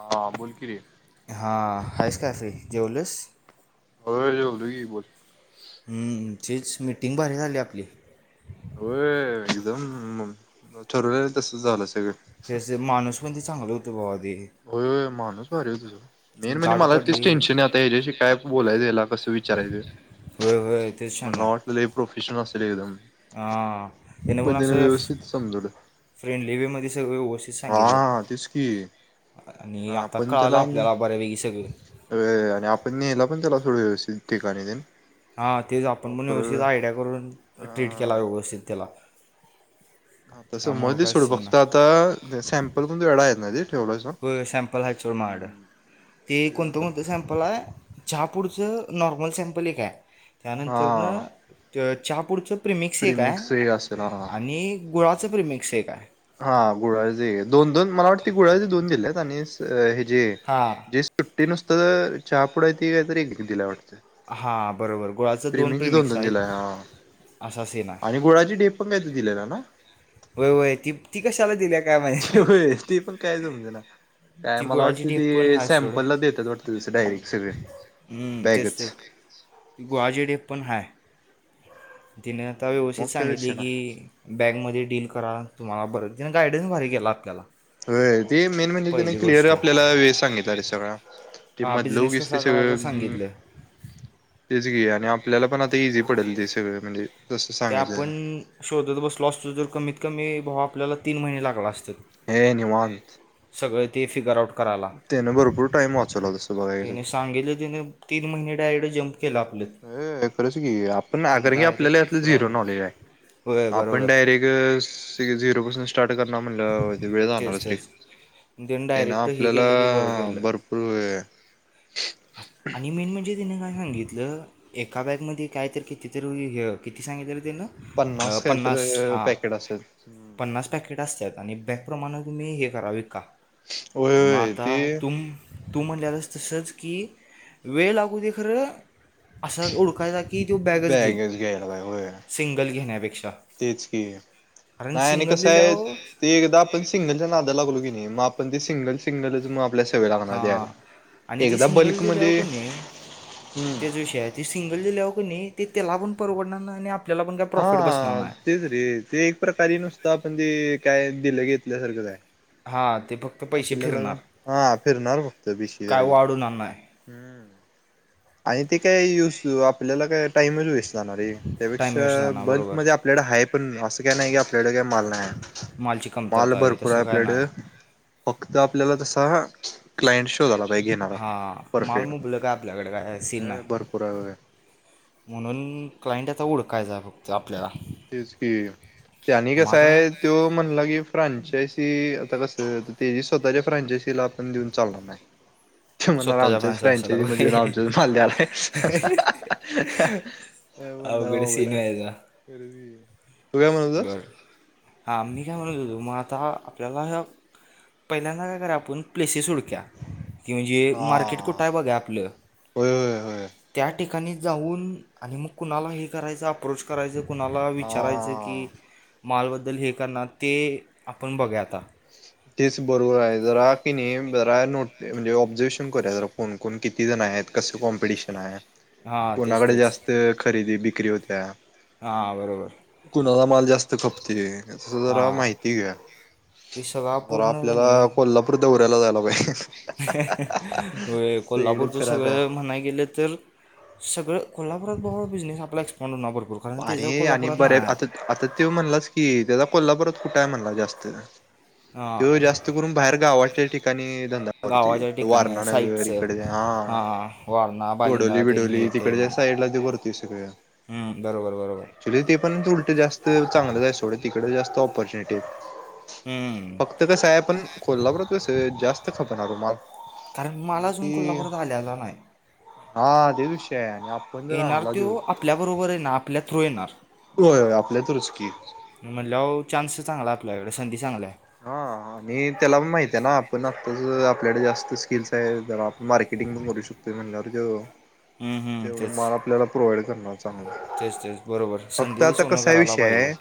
हां, बोल कि रे. हां, हैस काय फ्री, जेवलीस. होय, जेवलो की बोल. हम्म, तेच मिटिंग भारी झाली आपली. होयऽऽ एकदम ठरवलेल तसच झालं सगळं. ते माणूस कोण ते चांगलं होतो बा, होय होय, मानूस भारी हुतं सोड, मेन म्हणजे गाठ मला तेच पडली टेन्शन याच्याशी काय बोलायचं, याला कसं विचारायचं. होय होय तेच मला शान्या वाटलं लय प्रफेशनल असल, हां, मिन पण त्यानं असं, व्यवस्थित फ्रेंडली वे मध्ये सगळं व्यवस्थित ऽऽ, हां, तेच कि. अ आणि आता आपण कळालं दला आपल्याला बऱ्यापैकी सगळं अऽ आणि आपण, नेला पण त्याला थोडं व्यवस्थित ठिकाणी तनी, हां, तेच आपण पण व्यवस्थित आयडिया करून,, अ ट्रीट केला व्यवस्थित त्याला. हा तसं त्यामुळं मधी काय सोडू सीन फक्त,, नाही आता सॅम्पल पण तुझ्या कडून आह ना ठेवलायस, प्माड,, हम्म ते तेच कोणतं, आता कोणतं सॅमपल आह,, चहापुडचं नॉर्मल सॅम्पल एक आहे,, हा त्यानंतरनं च चहा पुुडचं. प्रिमिकस ऐक आय, प्रिमिक्स हे असेल आणि गुळाचं प्रिमिक ऐक आय. हां, गुळा चं एकाय, दोन दोन मला वाटतय गुळाची दोन दिलेत आणि जे, हां जे सुट्टी नुसतं तर चहापुडा य ती काही तरी एक दिला वाटतं. हां बरोबर आणि गुळाचं प्रिमीक्स दोन प्रिमिक्स दोन आहेत दिलाय, हां. असा सीन आहे आणि गोळाची ढेप पण काय तर दिलेला नां? वय, वय, त ती कशाला दिल्या. काय माहिती ते होय, ते पण काय समज ना? ती मला गुळाची वाटत ते ढेप पण आहे सोड सॅम्पलला देत्यात वाटत, तं डायरेक्ट सगळ. हम्म तेच तेच गुळाची डेप पण हाय. तिने आता व्यवस्थित मग काय सांगितले विषय नाही की, बॅगमध्ये डील करा तुम्हाला बरं तिने गायडन्स भारी गेला आपल्याला, ते मेन म्हणजे त्याने पहिली क्लिअर गोष्ट आपल्याला वेळ सांगितलं रे सगळं. ते हा मतलब बिझनेस कत कसा करायचा सगळ, सांगितलं तेच घे आणि आपल्याला पण आता इझी पडेल ते सगळ म्हणजे, तसं ते सांगितलं ना आपण शोधत बसलो असतो, तर कमीत कमी भाव आपल्याला तीन महिने लागला असतो. हे निवांत, ते फिगर आउट करायला, त्यानं भरपूर टाइम वाचवला तसं बघायला गेलं त्याने सांगितलं त्याने, तीन महिने डायरेक्ट ज्प, अ खरंच की आपण, नाकार की आपल्याला डायरेक्ट यातलं पुढं जी, आलो नॉलेज आहे होय आपण बरोबर डायरेक् झिरो, स्टार्ट करणार म्हणण्यावर वेळेणार तेच जाणारच रे. तेच त्यानं ते ना डायरेक्ट हे आपल्याला केलं ते बरं केलं भरपूर वेळ आहे. आणि मेन म्हणजे, तिने काय सांगितलं एका बॅगमध्ये काय तर किती तरी किती सांगितलेलं तेन पन्नास काहीतरी हा पॅकेट असेल पन्नास पाकिटे असतात. आणि बॅकप्रमाणे तुम्ही हे करा, विका होय मग होय ते आता तुम तू म्हणलेलास तसंच की वेळ लागू दे खरं असा ओळखायचा की त बॅगच घेईल घ्यायला पाहिजे होय सिंगल घेण्यापेक्षा. तेच कि अ. कारण नाही आणि सिंगल कसं आहे, दिल्यावर ते एकदा आपण सिंगलच्या नादाला लागलो की नाही म पण ते सिंगल सिंगलचं म आपल्या सवय लागणार हा द्यायला आणि ती एकदा सिंगल दिल्याव बल्कमध्ये कनइ हम्म तेच विषय हाय ते सिंगल दिल्याव कनइ ती त्याला पण परवडणार नाही आणि आप हा तेच रे ते एक प्रकारे नुसतं आपण ते काय? दिलं घेतल्या सारखचं हाय. हां ते फक्त पैसे आपल्याला फिरणार हा फिरणार फक्त बेशी [unintelligible] काय वाढवणार नाही हम्म. आणि ते काय यूज आपल्याला काय टाइमच वेस्ट जाणार रे टाईम त्यापेक्षा वेस्ट जाणार बल्क बरोबर मध्ये आपल्याला हा पण अस काय नाही की आपल्याकडं मालची माल कमतरता भरपूर आहे तसं काय नाही आपल्याकड. फक्त आपल्याला तसा. क्लाइंट शो झाला. हा मालम मुबलक हाय आपल्याकडे काय. सीन नाही अ भरपूर हाय व्हय. कायझ फकच [unintelligible] तेच कि त्यांनी मग कसा आहे. आता तो म्हणला की फ्रांचायसी आता कस. ते स्वतःच्या फ्रांचायसीला आपण देऊन चालणार नाही. तो म्हणार स्वतःच्या आमच्याच फ्रँचायसला फ्रॅचायजी मध्ये ये वगैरे आमच्याच माल द्यायला आलाय. अ. म्हणार अवघड आघाड सीन हाय. व्हायचा तू काय म्हणतोस. हा मी काय म्हणत होतो. मग आता आपल्याला. पहिल्यांदा काय करावा आपण. प्लेसेस हुडक्याव. की म्हणजे मार्केट कुठं हा आहे बघा आपलं. होय होय होय त्या ठिकाणी. ठिकाणी जाऊन. आणि मग कुणाला हे करायचं अप्रोच करायचं कुणाला विचारायचं. की हा मालबद्दल हे करणार. ते आपण बघया आता. तेच बरोबर आहे. जरा की नाही जरा नोट म्हणजे ऑब्झर्वेशन करूया. जरा कोण-कोण किती जन. नाहीं हाईत. कॉमपिटिशन आहे. हां तेच कोणाकडे तेच जास्त खरेदी बिक्री होत्या. हां बरोबर कुणाला माल जास्त खपतोय. तस जरा हां माहिती घ्या. ते सगळा जरा पूर्ण आपल्याला कने कोल्हापूर दौऱ्याला जायला पाहिजे होय सगळीकडे कोल्हापूरच फिराय पाहिजे सगळं म्हणाय गेलं तर. सगळं कोल्हापुरात भावा बिझस आपला होणार भरपूर कारण त्याचं अरे आणि कोल्हापुरात ना बर्या आता-आता त्यो म्हणलाच की त्याचा कोल्हापुरात कुठं हाय म्हणला त्यो. जास्त हां त्यो जास्त करून बाहेर गावाच्या ठिकाणी. धंदा करतोय. गावाच्या ठिकाणी वारणा नगर साईटचं इकडे हा, हां वारणा बालिंगा कोडोली ते बिडोली हे ते तिकडच्या साईडला त्यो करतोय सगळं. हम्म, बरब ऍक्च्युली ते पण उलटं जास्त चांगलंच हाय सोडं, तिकडं जास्त ऑपॉर्च्युनिटी हायत. हम्म. फक्त कसं हाय पण, कोल्हापूरात कसं जास्त खपणार ओ माल. कारण मला अजून कोल्हापुरात आल्याला नाही. हा त्योज विषय हाय आणि आ येणार त्यो, आपल्याबरोबर येणार आपल्या थ्रू येणार. होय होय आपल्या थ्रूच की. मग म्हणल्याव चान्स चांगलाय आपल्याकडं, संधी चांगलीय. हा, आणि त्याला पण माहितीय ना, आपण आत्ताच आपल्याकडे जास्त स्किल्स हायत जरा मार्के [unintelligible] भरू शकतोय म्हंटल्याव ह्यो हम्म, हम्म, तेवढा तेच माल आपल्याला प्रोव्हाईड चांगलंय. तेच तेच बरोबर फक्त संधीचं आता सोनं कसा करायला विषय पाहिजे हाय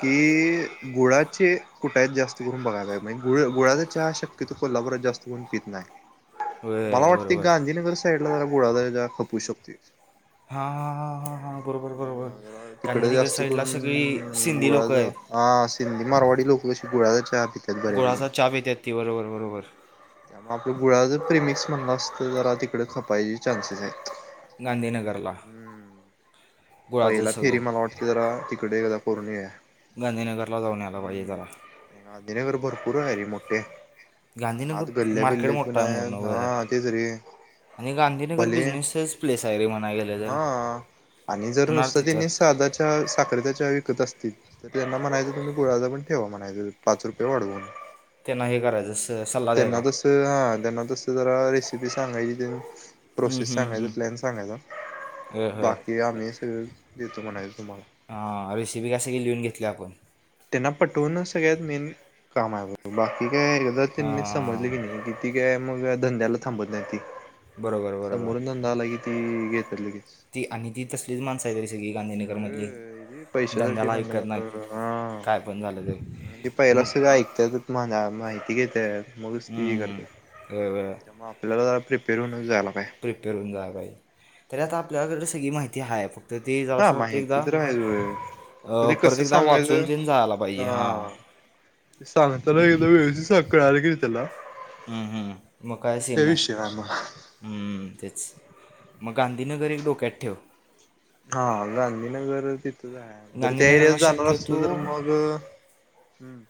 की, गुळाचे कुठायत जास्त बघाय पायजे, गुळ गुळाचा चहा शक्यतो कोल्हापुरात जास्त कोण पित नाय. मला होय वाटतंय बरोबर गांधीनगर साईडला जरा गुळाचा जरा खप होऊ शकतोय. हा हा हा हा हा बरोबर बरोबर. तिकडे गांधीनगर जास्त साईडला करून, सगळी सिंधी लोक गुळाचा आहेत हा सिंधी मारवाडी लोकं कशी गुळाचा चहा पितात गुळाचा चहा पित्यात ती बरोबर बरोबर. त्यामुळं आपल गुळाचं प्रेमिक्स म्हणलास तर, जरा तिकडं खपायचे चान्सेस आहेत. गांधीनगरला. हम्म गुळाचं पहिला फेरी सगळं मला वाटतय जरा, तिकडं एकदा करून येऊया. गांधीनगरला जाऊन यायला पाहिजे जरा हम्म, गांधीनगर भरपूर आहे रे मोठे. गांधीनगर आत गल्ल्या मार्केट बिल्यात पण मोठं आहे म्हणून हायत हा वगैरे तेच रे. आणि गांधीनगर भले बिझनेसचंच प्लेस आहे रे म्हणाय गेलं तर. हा आणि जर होणार नुसतं तिथं त्यांनी सादा चहा, साखरेचा चहा विकत असतील तर त्यांना म्हणायचं तुम्ही गुळाचा पण ठेवा म्हणायचं, पाच रुपये वाढवून. त्यांना हे करायचं स सल्ला त्यांना द्यायचा तसं हा त्यांना तसं जरा रिस पी सांगायची तेन हं प्रोसेस हं हं सांगायच प्लॅन सांगायचा, बाकी आम्ही सगळं देतो म्हणायचं तुम्हाला हा रेसिपी काय सगळी लिहून घेतल्या आपण. त्यांना पटवून सगळ्यात, मेन काम हाय बघ बाकी काय एकदा त्यांनी समजली हां की नाय, कि ती काय मग अ धंद्याला थांबत नायती. बरोबर बरोबर समोरून धंदा आला कि, ती घेत्यात लगेच. ती आणि ती तसलीच माणसं आहे रे ती सगळी गांधीनगरमधली. होय पैशासाठी धंद्याला म्हणणार, ऐकत नाहीत होय होय हा. काय पण झालं आणि ते तर पहिला मग सगळं ऐकत्यातच [unintelligible] ती घेत्यात मगच ती हे करत्यात त्यामुळं आपल्याला जरा प्रिपेर होऊनच जाया ला प्रिपेअर होऊन जाया पाहिजे, तरी आता आपल्याकडं सगळी माहिती हाय फक्त तर ते हा जाऊ [unintelligible] एकदा माहिती तर आहे होय फक्त अ ते परत कसं एकदा सांगायचं वाचून तेन जायाला पाहिजे हां. हा सांगताना एकदा व्यवस्ती सांग कळाल क नाय तेला. हम्म हम्म म काय सिन नाय नाही मग हम तेच, मग गांधीनगर एक डोक्यात ठेव. हा गांधीनगर त जर त्या एरियात गांधीनगरला जाणार असल शक्यतो तर मग, हम्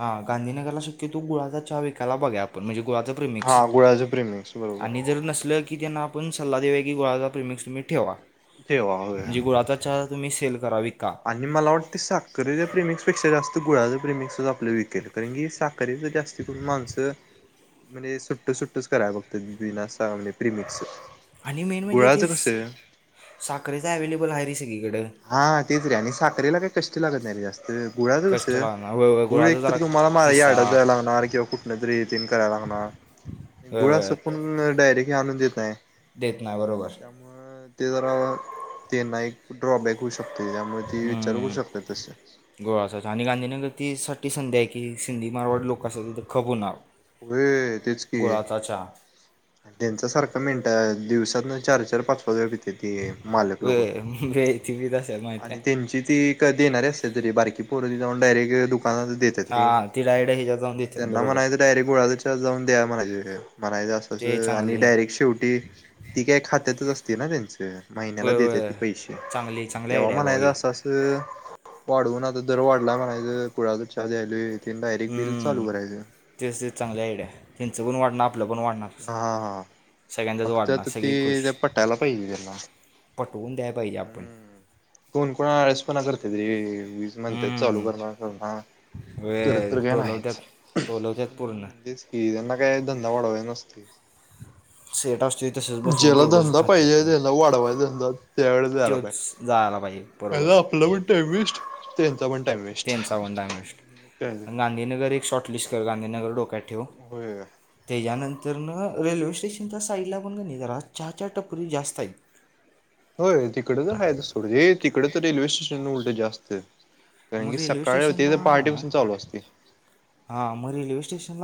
हा गांधीनगरला शक्यतो गुळाचा चहा विकायला बगूया आपण म्हणजे गुळाचं प्रिमिक्स, हा गुळाचं प्रेमिक्स बरोबर आणि जर नसलं की त्यांना आप आपण सल्ला देऊया की गुळाचं प्रिमिक्स तुम्ही ठेवा. ठेवा होय. तुम्हीे सेल करावी. आणि मला वाटतंय साखरेच्या प्रिमिक्सपेक्षा जास् गुळाचं प्रिमिक्सच आपलं विकेल कारण की साखर तर जास्त करून माणसं म्हणजे सुट्ट सुट्टच कराय बघतेत [unintelligible] असं म्हजे प्रिमिक्स आणि मेन म्हणजे ते गुळाचं स कसं साखरेचा अव्लेबल आहे रे सग हा तेच रे आणि साखरेला काय कष्ट लागत नाही रे जास्त, गुळाचं कष्ट कसं लागणार वय वय गुळ गुळाचा एक तर जरा तुम्हाला माळ किस्सा यार्डात जायला लागणार किंवा कुठनंतरी येथन करायला लागणार. वय गुळ असं वय कोण डायरेक्ट हे आणून देत नाही. देत नाही बरोबर. त्यामुळं ते जरा, त्यांना एक ड्रॉ बॅक होश हम्म, [unintelligible] संधी आहे की की सिंधी मारवाड लोकं असतेत तिथं खप होणार. व्हय, तेच कि. गुळाचा चहा त्यांचा सारखा मिनटा दिवसातन चार चार पाच पाच वेळा पित्यात. ती मालक वे लोकं, वे ती बी तसं माहिती आणि आहे त्यांची ती क.. देणारे असत्यात रे, बारकी पोर जाऊन डायरेक्ट दु कानातल देतात रे, हां ती डायरेक्ट ह्याच्यात जाऊन देतात त्यांना बरोबर म्हणायचं डायरेक्ट गुळा. जा चा जाऊन द्या म्हणायचं. म्हणायचं असं अस ते आणि चांगले डायरेक्ट शेवटी, ती काय खात्यातच असते ना त्यांचं, महिन्याला होय देत्यात होय की पैसे, चांगली चांगली तेव्हा आयडिया आहे भावा ही म्हणायचं असं अस. वाढवून आता दर वाढला म्हणायच, गुळाचा चहा द्यालोय. हम्म.. तेच तेच चांगली आयडिया, तेनच पन वाढणार आप आपलं पण वाढणार हा हा हा सगळ्यांचंच फक्त वाढणार आता सगळी खुश. ते पटायला पाहिजे त्यांना पटवून द्याय पाहिजे, आपण हम्म कोण कोण आळसपणा करत्यात रे, वीज म्हणत्यात चालू हम्म करणार करणार. करत होय तर काय नाहीच, टोलवत्यात टोलवत्यात पूर्ण हम तेच की त्यांना काय धंदा वाढवायचं नसतय. [inaudible] असतोय तसंच बसून ज्याला तेवढंच धंदा खात्यात पाहिजे त्या त्याला वाढवाय धंदा त्यावेळे द्यायला पाहिजे. त्योच जायला पाहिजे यायला, बरोबर आपला पण टाईम वेस्ट त्यांचा पण टाइम वेस्ट त्यांचा पण टाइम वेस्ट, काय नाही गांधीनगर एक शॉर्ट लिस्ट कर गांधीनगर डोक्यात ठेव होय त्याच्यानंतर, तर ना रेल्वे स्टेशनच्या साईडला पण कनी जरा चहाच्या टपरी जास्त आहेत. होय तिकडे तर ते जास्त, कारण म की रेल्वे सकाळी ते स्टेशनला तर पहाटेपासून चालू असते हा मग रेल्वे स्टेशन.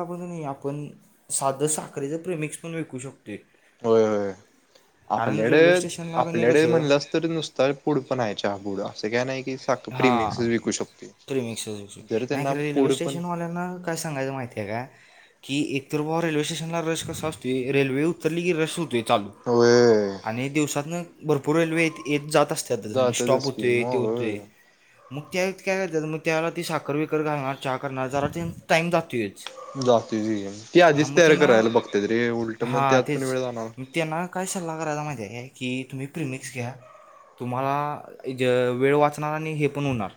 आपण साधं साखरच प्रिमिक्स पण विकू शकतो. होय होय. कारण रेल्वे आपल्याकड स्टेशनला कणी आपल्याकड कसं म्हणलंस तर नुसत पुढ पण आहे, चहा पूड असं काय नाही. साखर प्रिमिक्स विकू शकतोय. प्रिमिक्स प्रिमिक्स नाही खरं रेल्वे स्टेशनवाल्यांना काय सांगायचं माहिती आहे काय? की एकतर बाबा रेल्वे स्टेशनला रस कसा असतोय, रेल्वे उतरली की रस होतोय. चालू, होय आणि दिवसातन भरपूर रेल्वे येते. येत जात असत्यातच आणि स्टॉप जातातच की होतोय ते मग होतंय. होय मग त्या वेळेत काय करत्यात, मग त्यावेळेला ती साखर बिकर घालणार चहा करणार जरा टाइम जातोयच. जातोयचं की ती हां आधीच मग तयारी करायला त्यांना बघत्यात रे, उलट मग हां त्यात पण तेच वेळ जाणार. मग त्यांना काय सल्ला करायचा माहिती आहे काय की तुम्ही प्रिमिक्स घ्या. तुम्हा वेळ वाच हे पण होणार,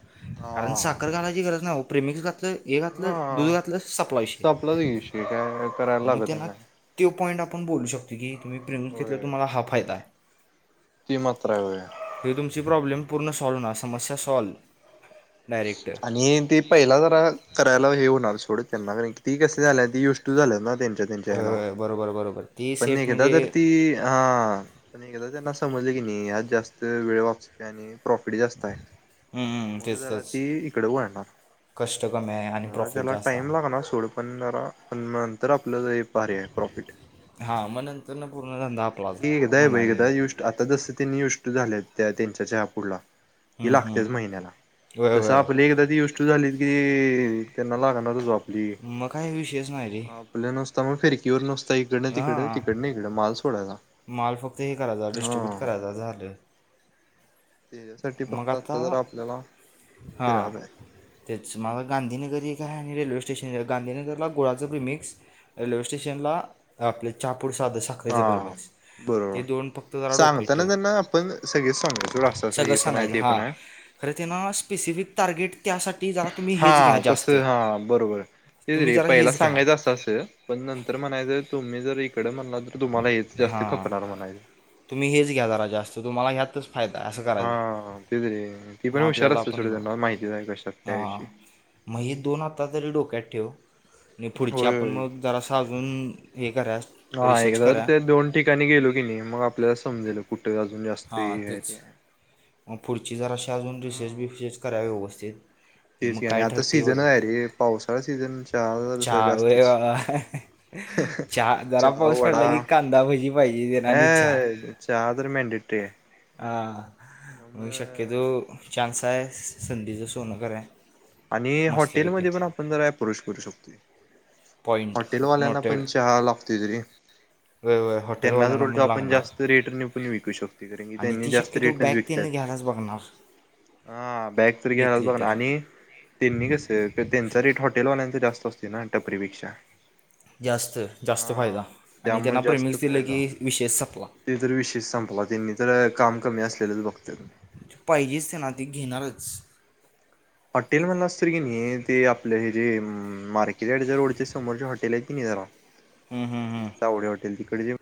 कारण हा. साखर घालायची गरज नाही ओ प्रिमिक्स हे घातलं, दुध हा घातल, सपला विषय संपलाच की विषय काय करायला मग लागत त्यांला, नाही. तो पॉईंट आपण बोलू शकतो की, तुम्ही प्रीमिक्स घेतल्या होय. तुम्हाला हा फायदा आहे. ती मात्र हाय होय. हे तुमची प्रॉब्लेम पूर्ण सॉल्व होणार, समस्या सॉल्व. डायरेक्ट आणि ते पहिला जरा करायला, हे होणार सोड ती कस [unintelligible] व्हय व्हय, बरोबर बरोबर. ती पण सेट एकदा जर म्हणजे ती हा.. पण एकदा तर त्यांना समजले कनी, यात जास्त वेळ वाचतोय आणि प्रॉफिट जास्त आहे. हम्म, मग तेच जरा तेच ती इकडे वळणार, कष्ट कमी आहे आणि जरा प्रॉफिट त्याला जास्त टाइम आहे लागणार सोड पण, जरा पण तर आपल्याला हे भारी आहे प्रॉफिट. हां मग नंतर ना पूर्ण धंदा [unintelligible] आपलाच त्या म्हणायला गेलं त्यांच्या चहा पुुडला. ही हम्म लागतेच हम्म महिन्याला, व्हय तस व्हय आपले एकदा तीष्ट झाली की, त्यांना लागणार आपली, मग काय विषयच नाही रे आपल्यान तर मग फिरकी वर नुसत एकडन तिकडं तिकड हां तिकडन हिकडं माल सोडायचा. माल फक्त हे करायचा डिस्ट्रीब्यूट हा करायचा झालं त्याच्यासाठी फक्त आता जरा आपल्याला हा, फिरायला तेच मागं गांधीनगर एक हाय रेल्वे स्टेशन गांधीनगरला गुळाचं प्रिमिक्स, रेल्वे स्टेशनला आपले चहा प पूड साधं साखरेचं हा प्रिमिक्स. बरोबर, ते दोन फक्त जरा डोक्यात सांगताना त्यांना आपण सगळे सांगायचं सोड असं असं हे सगळंच पण आहे सांगायचं ते हा, पण आहे खरं ते ना स्पेसिफिक टार्गे हा तसं हा, बरोबर. तेच तुम्ही रे जरा पहिला हेच घ्या सांगायचं असं असं, पण नंतर म्हणायचं तुम्ही जर इकडं म्हणला तर तुम्हाला हेच जास्ती हां खपणार म्हणायचं. तुम्ही हेच घ्या जरा जास्त तुम्हाला ह्यातच फायदा आहे असं हा करायचं तेच रे, ती मग पण हुशार आपल्याला असतेत सोड आपण त्यांना माहिती नाय कशात काय हां विषयी. मग ही दोन आता तरी डोक्यात ठेव. आणि पुढची होय आपण होय मग जरासं आजून हे करा हा रिसर्च एकदा तर करा ते दोन ठिकाणी गेलो की नाही. मग आपल्याला समजेल कुठ हा तेच. मग पुढची जर अशी अजून रिसेर्च हा बिसेच कराव व्यवस्थित. हे तेच मग की आणि काय आता ठरते सीझन बघा आहे रे पावसाळा सीझन चहा जरा चार वे. जास्तच चहा जरा पाऊस पडला की. कांदा भजी पाहिजे. देणार आणि चहा. हे चहा तर मॅनडेटरी आहे हा म शक्यतो त्यामुळं चान्स आहे. संधीचं सोनं कराय आणि मस्तपैकी हॉटेलमध्ये पण आपण जरा पुरुश करू शकतोय. पॉईंट हॉटेलवाल्यांना नोटेड पण चहा लागतोयच रे. व्हय व्हय आणि त्यांनाच हॉटेलवाल्यांना उलट पण आपण लागणार जास्त रेटनि पण विकू शकतो. तिकडे की आणि त्यांनी ती जास्त शक्यतो रेटनच बॅग विकतात. त्यांनी घ्यायलाच बघणार हा बॅग तरी घ्यायलाच घेतली बघ ना. तर आणि त्यांनी कसं त्यांचा रेट हॉटेलवाल्यांचा. जास्त असते ना टपरी पेक्षा. जास्त-जास्त फायदा आणि त्यामुळे त्यांना जास्त प्रेमिकस दिलं की फायदा विशेष संपला. ते जरी विशेष संपला. त्यांनी तर काम कमी असलेलंच बघत्यात. पाहिजेच तेना ती घेणारच. हॉटेल वाला असतोय की नाही. ते आपलं हे जे मार्केटडच्या रोडच्या समोरच्या हॉटेल हाईय कणी. हम्म, चावडे हॉटेल तिकडे जे.